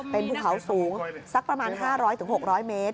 เป็นภูเขาสูงสักประมาณ๕๐๐๖๐๐เมตร